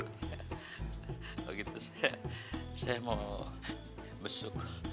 kalau begitu saya mau bersyukur